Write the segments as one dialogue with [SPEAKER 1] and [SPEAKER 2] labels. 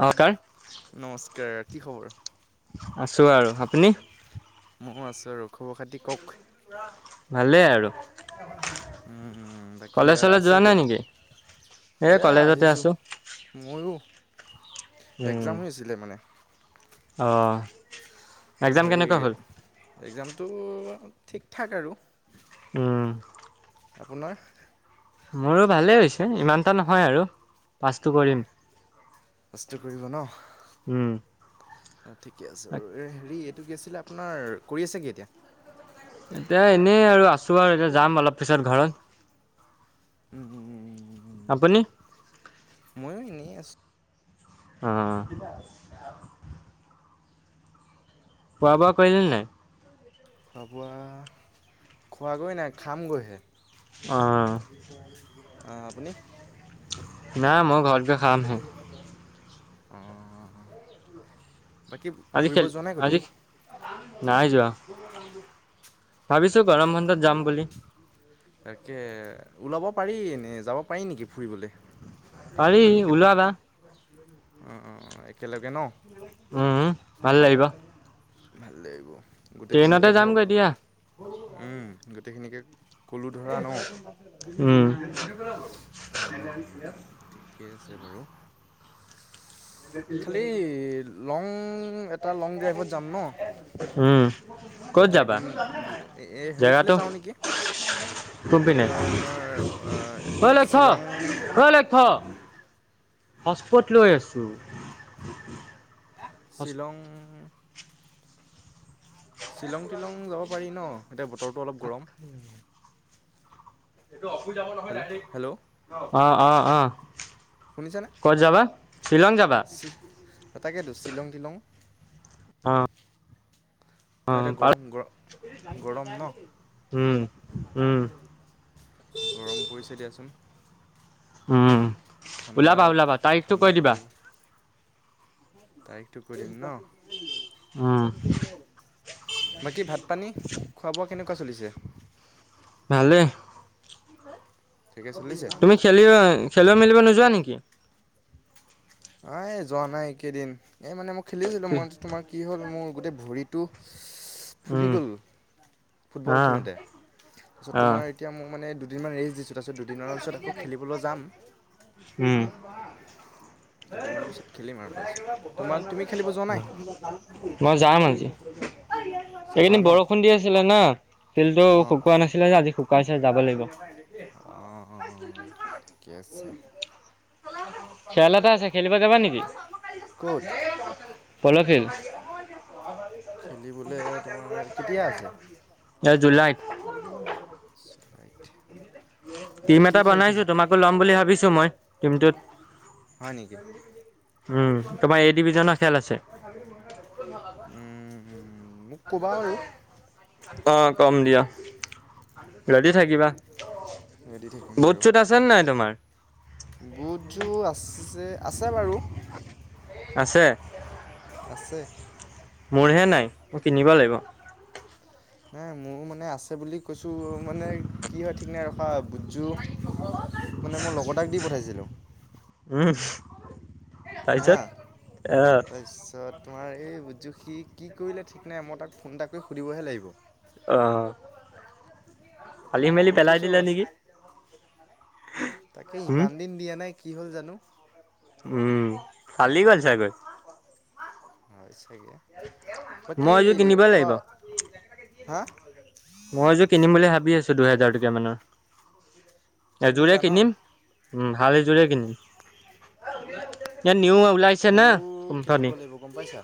[SPEAKER 1] নমস্কাৰ
[SPEAKER 2] নমস্কাৰ কি খবৰ
[SPEAKER 1] আছোঁ আৰু আপুনি
[SPEAKER 2] ময়ো আছোঁ খবৰ খাতি কওঁক।
[SPEAKER 1] ভালেই আৰু।
[SPEAKER 2] উম বাকী
[SPEAKER 1] কলেজ চলেজ
[SPEAKER 2] আছে
[SPEAKER 1] যোৱা নাই
[SPEAKER 2] ক'ত।
[SPEAKER 1] নেকি এই
[SPEAKER 2] এ
[SPEAKER 1] কলেজতে
[SPEAKER 2] আহিছো,
[SPEAKER 1] আছোঁ
[SPEAKER 2] ময়ো। এক্সাম হৈ আছিলে মানে।
[SPEAKER 1] অঁ এক্জাম
[SPEAKER 2] হেৰি
[SPEAKER 1] কেনেকুৱা হ'ল
[SPEAKER 2] এক্সামটো ঠিক ঠাক আৰু।
[SPEAKER 1] হুম
[SPEAKER 2] আপোনাৰ
[SPEAKER 1] মোৰো ভালেই হৈছে ইমানটা নহয় আৰু, পাছটো কৰিম।
[SPEAKER 2] পাছটো কৰিব ন,
[SPEAKER 1] উম,
[SPEAKER 2] ঠিকে আছে বাৰু। হেৰি কি আছিলে আপোনাৰ, কৰি আছে কি এতিয়া?
[SPEAKER 1] এতিয়া এনেই আৰু আছো আৰু এতিয়া যাম অলপ পিছত ঘৰত।
[SPEAKER 2] উ' উ'উ'উ',
[SPEAKER 1] আপুনি
[SPEAKER 2] ময়ো এনেই আছো।
[SPEAKER 1] অ' খোৱা বোৱা কৰিলেনে নাই?
[SPEAKER 2] খোৱা বোৱা খোৱাগৈ নাই খামগৈহে।
[SPEAKER 1] অঁ
[SPEAKER 2] অ' আপুনি
[SPEAKER 1] না মই ঘৰত গৈ খামহে।
[SPEAKER 2] অ' বাকী
[SPEAKER 1] আজি খেল
[SPEAKER 2] ফুৰিব যোৱা নাই
[SPEAKER 1] আজি
[SPEAKER 2] ক'তো?
[SPEAKER 1] নাই যোৱা, ভাবিছো গৰম বন্ধত যাম বুলি।
[SPEAKER 2] তাকে ওলাব পাৰি, এনেই যাব পাৰি নেকি ফুৰিবলে।
[SPEAKER 1] পাৰি ওলাবা।
[SPEAKER 2] অ' অ' একেলগে ন।
[SPEAKER 1] উম, ভাল লাগিব।
[SPEAKER 2] ভাল লাগিব
[SPEAKER 1] ট্ৰেইনতে
[SPEAKER 2] গোটেইখিনিকে ধৰক,
[SPEAKER 1] যামগৈ দিয়া
[SPEAKER 2] গোটেইখিনিকে ক'লো ধৰা ন
[SPEAKER 1] উম [inaudible]
[SPEAKER 2] উম ঠিকে আছে বাৰু।
[SPEAKER 1] [inaudible]
[SPEAKER 2] খালি লং এটা লং ড্ৰাইভত যাম ন।
[SPEAKER 1] উম, ক'ত
[SPEAKER 2] যাতে
[SPEAKER 1] যাবা?
[SPEAKER 2] একদম হেৰি ফালে
[SPEAKER 1] জেগাটো
[SPEAKER 2] যাওঁ নেকি। এ তোমাৰ এইটো কি শ্বিলং
[SPEAKER 1] [inaudible] হস্পট লৈ আছোঁ।
[SPEAKER 2] শ্বিলং। শ্বিলং টিলং যাব পাৰি নহ এতিয়া বতৰটো অলপ গৰম। হেল্ল' হেল্ল'
[SPEAKER 1] [unintelligible] অ অ অ
[SPEAKER 2] শুনিছেনে
[SPEAKER 1] ক'ত যাবা। শ্বিলং যাবা?
[SPEAKER 2] তাকেতো শ্বিলং তিলং।
[SPEAKER 1] অ',
[SPEAKER 2] নহ
[SPEAKER 1] অ',
[SPEAKER 2] এতিয়া
[SPEAKER 1] পাৰ
[SPEAKER 2] গৰম গ গৰম নহ।
[SPEAKER 1] উম উম।
[SPEAKER 2] গৰম পৰিছে দিয়াচোন।
[SPEAKER 1] উম,
[SPEAKER 2] ঠাণ্ডা
[SPEAKER 1] ওলাবা ওলাবা তাৰিখটো
[SPEAKER 2] ঠাণ্ডা
[SPEAKER 1] কৈ দিবা।
[SPEAKER 2] পৰিব তাৰিখটো কৈ দিম ন
[SPEAKER 1] উম [inaudible]
[SPEAKER 2] বাকী ভাত পানী খোৱা বোৱা কেনেকুৱা চলিছে
[SPEAKER 1] ভালে।
[SPEAKER 2] ঠিকে চলিছে
[SPEAKER 1] তুমি খেলিব খেলিব মেলিব নোযোৱা নেকি
[SPEAKER 2] এ যোৱা নাই একেইদিন, এই মানে মই খেলিছিলো মই তোমাৰ কি হ'ল মোৰ গোটেই ভৰিতটো ফুলি
[SPEAKER 1] উম,
[SPEAKER 2] গ'ল ফুটবল
[SPEAKER 1] অ',
[SPEAKER 2] খেলোঁতে, তাৰপাছত
[SPEAKER 1] অ',
[SPEAKER 2] তোমাৰ এতিয়া ম মানে দুদিনমান ৰেষ্ট দিছোঁ তাৰপিছত দুদিনৰ পিছত আকৌ খেলিবলৈ যাম।
[SPEAKER 1] উম,
[SPEAKER 2] দুদিনমানৰ পিছত খেলিম আৰু। তাৰপিছত তোমাৰ তুমি খেলিব যোৱা নাই
[SPEAKER 1] মই যাম আজি।
[SPEAKER 2] যাবা
[SPEAKER 1] সেইকেইদিন
[SPEAKER 2] ন
[SPEAKER 1] বৰষুণ দি আছিলে না ফিল্ডটো
[SPEAKER 2] অঁ
[SPEAKER 1] শুকোৱা নাছিলে যে আজি শুকাইছে যাব লাগিব।
[SPEAKER 2] অঁ অঁ অঁ ঠিকে আছে
[SPEAKER 1] [unintelligible] খেল এটা আছে খেলিব যাবা নেকি।
[SPEAKER 2] ক'ত।
[SPEAKER 1] প'ল খেল।
[SPEAKER 2] খেলিবলৈ তোমাৰ কেতিয়া আছে
[SPEAKER 1] [unintelligible] এ জুুলাইত। [unintelligible]
[SPEAKER 2] জুলাইত। [inaudible]
[SPEAKER 1] টিম
[SPEAKER 2] কি
[SPEAKER 1] এটা
[SPEAKER 2] খেল
[SPEAKER 1] বনাইছোঁ
[SPEAKER 2] খেলি
[SPEAKER 1] তোমাকো ল'ম বুলি ভাবিছোঁ মই টিমটোত।
[SPEAKER 2] হয় নেকি
[SPEAKER 1] উম তোমাৰ এ ডিভিজনৰ খেল আছে।
[SPEAKER 2] উম, মোক ক'বা বাৰু
[SPEAKER 1] [unintelligible] অ কম দিয়া [unintelligible] ৰেডি থাকিবা।
[SPEAKER 2] ৰেডি থাকিম
[SPEAKER 1] বুট
[SPEAKER 2] বাৰু
[SPEAKER 1] চুত আছে নে নাই তোমাৰ।
[SPEAKER 2] বুটযোৰ আছে আছে বাৰু।
[SPEAKER 1] আছে।
[SPEAKER 2] আছে।
[SPEAKER 1] মোৰহে নাই মই কিনিব লাগিব।
[SPEAKER 2] নাই মোৰো মানে আছে বুলি কৈছোঁ মানে কি হয় ঠিক নাই ৰখা। [unintelligible] মানে মোৰ লগৰ এটাক দি পঠাইছিলোঁ।
[SPEAKER 1] উম
[SPEAKER 2] হা
[SPEAKER 1] তাৰপিছত
[SPEAKER 2] তাৰপিছত
[SPEAKER 1] আহ।
[SPEAKER 2] তোমাৰ এই বুটযোৰ সি কি কৰিলে ঠিক নাই মই তাক ফোন এটা কৰি সুধিবহে লাগিব।
[SPEAKER 1] অহ।
[SPEAKER 2] কৈ থৈছোঁ আৰু আছে।
[SPEAKER 1] [unintelligible]
[SPEAKER 2] তাকে
[SPEAKER 1] উম
[SPEAKER 2] ইমান দিন দিয়া নাই কি হ'ল জানো।
[SPEAKER 1] উম ফালি গ'ল চাগৈ।
[SPEAKER 2] হয় চাগে
[SPEAKER 1] মই
[SPEAKER 2] বাকি
[SPEAKER 1] এযোৰ কিনিব
[SPEAKER 2] খোৱা
[SPEAKER 1] লাগিব
[SPEAKER 2] হা।
[SPEAKER 1] মই এযোৰ কিনিম বুলি ভাবি আছোঁ দুহেজাৰ টকীয়া মানৰ এযোৰে
[SPEAKER 2] কিনিবা ন
[SPEAKER 1] কিনিম। উম ভাল এযোৰে কিনিম। [unintelligible]
[SPEAKER 2] মইও কিনিব
[SPEAKER 1] কোম্পানী
[SPEAKER 2] লাগিব গম পাইছা।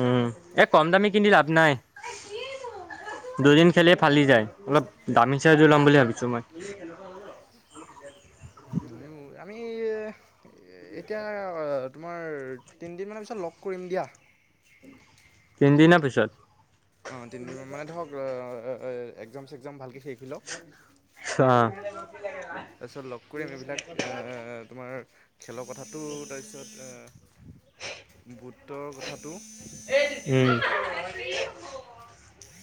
[SPEAKER 1] উম এ কম দামী কিনি লাভ নাই দুদিন। খেলিলে
[SPEAKER 2] মোক
[SPEAKER 1] ফালি যায় অলপ দামী চাই এযোৰ ল'ম বুলি ভাবিছোঁ মই।
[SPEAKER 2] মইও আমি। এতিয়া তোমাৰ তিনিদিনমানৰ পিছত লগ কৰিম দিয়া।
[SPEAKER 1] তিনি দিনৰ পিছত
[SPEAKER 2] অ তিনদিনমান মানে ধৰক এঁ এঁ অঁ একজাম চেকজাম ভালকে শেষ হৈ লওক।
[SPEAKER 1] অঁ
[SPEAKER 2] তাৰপিছত লগ কৰিম এইবিলাক এঁ তোমাৰ খেলৰ কথাটো তাৰপিছত অঁ গোটৰ কথাটো
[SPEAKER 1] উম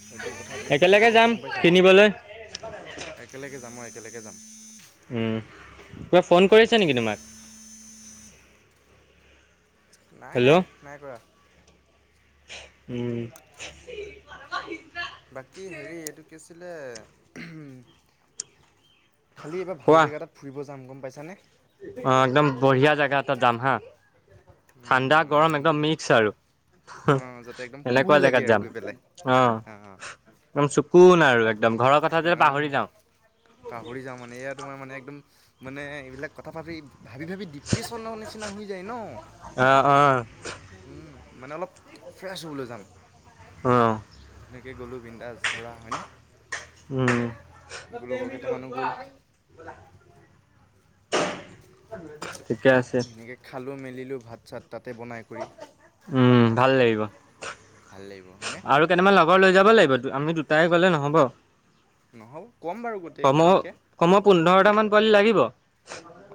[SPEAKER 2] সেইটো কথা তুমি পাতিব
[SPEAKER 1] একেলগে
[SPEAKER 2] লাগিব
[SPEAKER 1] যাম
[SPEAKER 2] গম পাইছা?
[SPEAKER 1] কিনিবলৈ
[SPEAKER 2] একেলগে যাম মই একেলগে যাম।
[SPEAKER 1] উম কিবা ফোন কৰিছে নেকি তোমাক।
[SPEAKER 2] নাই
[SPEAKER 1] হেল্ল'
[SPEAKER 2] নাই নাই কৰা।
[SPEAKER 1] উম। [unintelligible]
[SPEAKER 2] বাকী হেৰি এইটো কি আছিলে। খালি এইবাৰ ভাল জেগা এটাত ফুৰিব যাম গম পাইছানে।
[SPEAKER 1] অ একদম বঢ়িয়া জাগা এটাত যাম হা। ঠাণ্ডা গৰম একদম মিক্স আৰু।
[SPEAKER 2] অহ যাতে একদম কুল
[SPEAKER 1] এনেকুৱা
[SPEAKER 2] লাগে
[SPEAKER 1] জেগাত
[SPEAKER 2] আৰু
[SPEAKER 1] যাম
[SPEAKER 2] গৈ পেলাই
[SPEAKER 1] অঁ
[SPEAKER 2] আহ।
[SPEAKER 1] একদম চকুন আৰু একদম ঘৰৰ কথা যেন
[SPEAKER 2] অ',
[SPEAKER 1] পাহৰি যাওঁ।
[SPEAKER 2] পাহৰি যাওঁ মানে এয়া তোমাৰ মানে একদম মানে এইবিলাক কথা ভাবি ভাবি ভাবি ডিপ্ৰেশচনৰ নিচিনা হৈ যায় ন।
[SPEAKER 1] অঁ অঁ
[SPEAKER 2] উম, মানে অলপ ফ্ৰেছ হ'বলৈ যাম।
[SPEAKER 1] অঁ
[SPEAKER 2] সেনেকে গ'লো বিন্দাচ ধৰা হয়নে?
[SPEAKER 1] উম
[SPEAKER 2] লগৰ কেইটামানো গ'ল
[SPEAKER 1] ঠিকে আছে
[SPEAKER 2] ধুনীয়কৈ খালোঁ মেলিলো ভাত চাত তাতে বনাই কৰি
[SPEAKER 1] উম ভাল লাগিব।
[SPEAKER 2] ভাল লাগিব হয়নে?
[SPEAKER 1] আৰু কেইটামান লগৰ লৈ যাব লাগিবটো আমি দুটাই গ'লে নহ'ব।
[SPEAKER 2] নহ'ব, ক'ম বাৰু গোটেইখিনিকে।
[SPEAKER 1] ফইল লাগিব?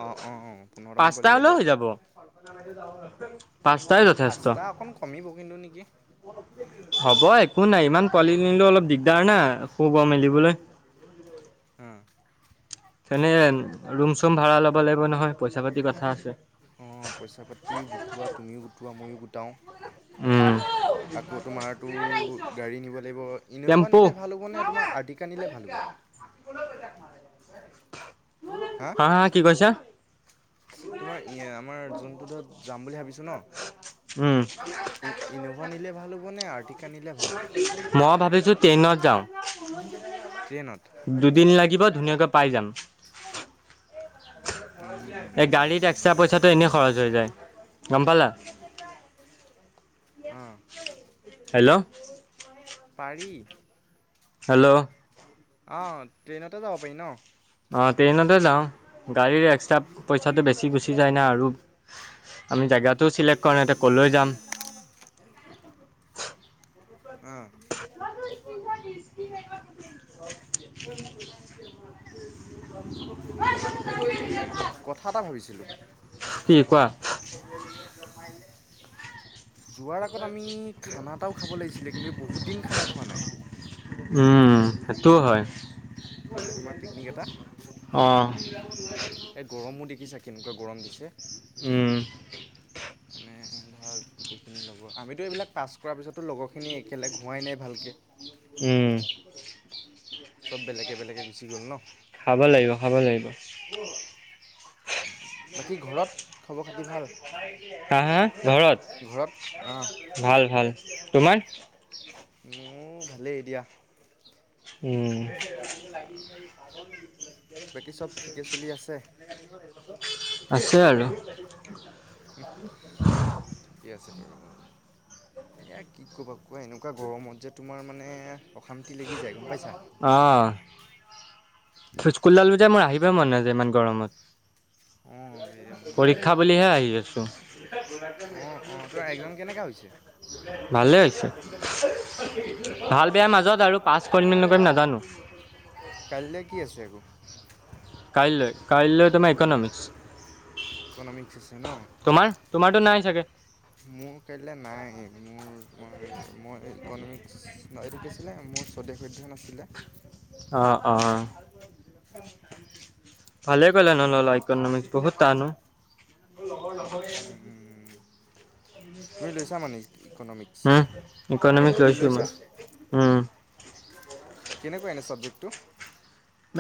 [SPEAKER 2] অঁ অঁ অঁ পোন্ধৰটামান ফইল
[SPEAKER 1] পাঁচটা
[SPEAKER 2] লাগিব।
[SPEAKER 1] হ'লেও হৈ যাব পাঁচটাই যথেষ্ট
[SPEAKER 2] পাঁচটা অকণ কমিব কিন্তু নেকি।
[SPEAKER 1] হ'ব একো নাই ইমান পোৱালিক নিলেও অলপ দিগদাৰ না শুব মেলিবলৈ।
[SPEAKER 2] অ
[SPEAKER 1] তেনে ৰুম চুম ভাড়া ল'ব লাগিব নহয়, পইচা পাতিৰ কথা আছে।
[SPEAKER 2] অঁ পইচা পাতিও গোটোৱা। তুমিও গোটোৱা, ময়ো গোটাওঁ।
[SPEAKER 1] উম
[SPEAKER 2] আকৌ তোমাৰতো গাড়ী নিব লাগিব ইন'ভা
[SPEAKER 1] টেম্পু
[SPEAKER 2] নিলে ভাল হ'ব নে তোমাৰ আৰ্টিকা নিলে ভাল হ'ব?
[SPEAKER 1] হাগিবলৈ গ'লে তাক মাৰে হা হা কি কৈছা?
[SPEAKER 2] তোমাৰ ই আমাৰ জোনটোৰোডত যাম বুলি ভাবিছো ন
[SPEAKER 1] উম
[SPEAKER 2] ই ইন'ভা নিলে ভাল হ'ব নে আৰ্টি
[SPEAKER 1] মই ভাবিছো ট্ৰেইনত যাওঁ।
[SPEAKER 2] ট্ৰেইনত?
[SPEAKER 1] দুদিন লাগিব ধুনীয়াকৈ পাই যাম। এ
[SPEAKER 2] উম,
[SPEAKER 1] গাড়ীত এক্সট্ৰা পইচাটো এনেই খৰচ হৈ যায়। গম পালা।
[SPEAKER 2] অঁ
[SPEAKER 1] হেল্ল'
[SPEAKER 2] পাৰি।
[SPEAKER 1] হেল্ল'
[SPEAKER 2] অ' ট্ৰেইনতে যাব পাৰি ন?
[SPEAKER 1] অঁ ট্ৰেইনতে যাওঁ। গাড়ীৰ এক্সট্ৰা পইচাটো বেছি গুচি যায় না আৰু আমি জেগাটোও চিলেক্ট কৰা নাই এতিয়া কলৈ যাম।
[SPEAKER 2] অহ।
[SPEAKER 1] [unintelligible] [unintelligible]
[SPEAKER 2] হ হেৰি কথা এটা ভাবিছলো।
[SPEAKER 1] কি কোৱা?
[SPEAKER 2] যোৱাৰ আগত আমি খানা এটাও খাব লাগিছিলে কিন্তু বহুত দিন খানা খোৱা নাই।
[SPEAKER 1] উম সেইটোও হয়।
[SPEAKER 2] মানে তোমাৰ পিকনিক
[SPEAKER 1] অঁ।
[SPEAKER 2] এ গৰমো দেখিছা কেনেকুৱা গৰম দিছে?
[SPEAKER 1] উম
[SPEAKER 2] মানে মানে ধৰক গোটেইখিনি লগৰ, আমিতো এইবিলাক পাছ কৰাৰ পিছতো লগৰখিনি একেলগ হোৱাই নাই ভালকে।
[SPEAKER 1] উম
[SPEAKER 2] চব বেলেগে বেলেগে গুচি গ'ল ন?
[SPEAKER 1] খাব লাগিব খাব লাগিব।
[SPEAKER 2] বাকী ঘৰত খবৰ খাতি ভাল
[SPEAKER 1] হাঁ হাঁ, ঘৰত? ভাল ভাল, তোমাৰ?
[SPEAKER 2] মোৰো ভালেই দিয়া।
[SPEAKER 1] উম।
[SPEAKER 2] বাকী চ'ব ঠিকে চলি আছে?
[SPEAKER 1] আছে আৰু।
[SPEAKER 2] আৰু এয়া কি ক'বা কোৱা এনেকুৱা গৰমত যে তোমাৰ মানে অখাম্তি লাগি যায় গম পাইছা।
[SPEAKER 1] স্কুল [unintelligible] মোৰ আহিবই মন নাযায় ইমান
[SPEAKER 2] অঁ এই
[SPEAKER 1] গৰমত।
[SPEAKER 2] মানে
[SPEAKER 1] পৰীক্ষা বুলিহে আহি আছো।
[SPEAKER 2] অঁ অঁ তোমাৰ এক্সাম কেনেকুৱা হৈছে
[SPEAKER 1] ভালে হৈছে। ভাল বেয়া মাজত আৰু পাচ কৰিম নে নকৰিম নাজানো।
[SPEAKER 2] কাইলৈ কি আছে আকৌ?
[SPEAKER 1] কাইলৈ? মাৰ
[SPEAKER 2] অঁ
[SPEAKER 1] ইকনমিক্স।
[SPEAKER 2] ইকনমিক্স আছে ন
[SPEAKER 1] তোমাৰ? তোমাৰত নাই চাগে!
[SPEAKER 2] মোৰ কাইলৈ নাই মোৰ তোমাৰ মই ইকনমিক্স, এইটো কি আছিল মোৰ স্বদেশ অধ্যয়ন আছিলে।
[SPEAKER 1] অঁ, অঁ। ভালে কৰিলা নললা ইকনমিক্স, বহুত তানো। [unintelligible]
[SPEAKER 2] তুমি লৈছা মানে ইকনমিক্স
[SPEAKER 1] উম, ইকনমিক্স
[SPEAKER 2] তুমি
[SPEAKER 1] লৈছো মই।
[SPEAKER 2] লৈছা
[SPEAKER 1] উম।
[SPEAKER 2] কেনেকুৱা এনে ছাবজেক্টটো?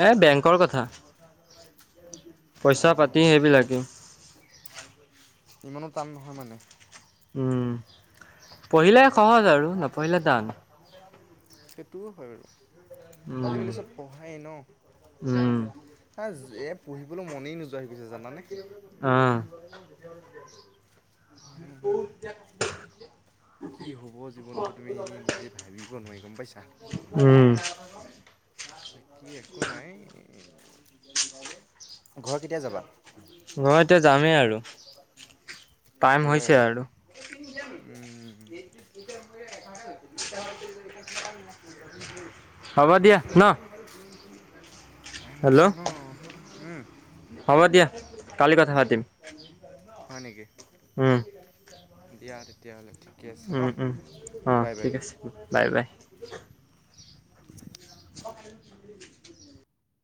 [SPEAKER 1] ম বেংকৰ কথা। পইচা পাতি
[SPEAKER 2] অঁ
[SPEAKER 1] সেইবিলাকে।
[SPEAKER 2] ইমানো টান নহয় মানে?
[SPEAKER 1] উম, পঢ়িলে সহজ আৰু নপঢ়িলে টান।
[SPEAKER 2] সেইটোও হয় বাৰু আজিকালি চব পঢ়ায়ে ন!
[SPEAKER 1] উম।
[SPEAKER 2] হ এ পঢ়িবলৈ মনেই নোযোৱা হৈ গৈছে জানানে।
[SPEAKER 1] অঁ। [inaudible]
[SPEAKER 2] কি হ'ব জীৱনটো তুমি নিজে ভাবিব নোৱাৰি গম পাইছা।
[SPEAKER 1] উম,
[SPEAKER 2] কি একো নাই। ঘৰ কেতিয়া যাবা?
[SPEAKER 1] মই এতিয়া যামেই আৰু। টাইম
[SPEAKER 2] যাবাই
[SPEAKER 1] হৈছে
[SPEAKER 2] আৰু, উম।
[SPEAKER 1] হ'ব দিয়া ন?
[SPEAKER 2] টাইম হৈছে
[SPEAKER 1] হেল্ল'
[SPEAKER 2] ন, উম।
[SPEAKER 1] হ'ব দিয়া কালি কথা পাতিম।
[SPEAKER 2] হয় নেকি?
[SPEAKER 1] উম,
[SPEAKER 2] দিয়া তেতিয়াহলে। ঠিকে আছে ন
[SPEAKER 1] উম, উম, অঁ,
[SPEAKER 2] বাই বাই
[SPEAKER 1] ঠিক আছে, বাই বাই। [unintelligible]